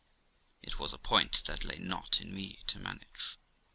It was a point that lay not in me to manage.